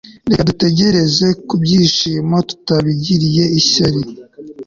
reka dutekereze ku byishimo tutabigiriye ishyari